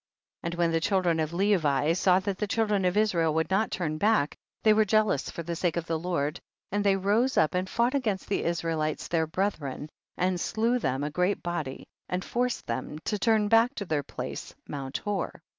5. And when the children of Levi saw that the children of Israel would not turn back, they were jealous for the sake of the Lord, and they rose up and fought against the Israelites their brethren, and slew of them a 252 THE BOOK OF JASHER. great body, and forced them to turn back to their place, mount Hor.